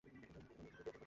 দাঁড়াও, পছন্দ করে না?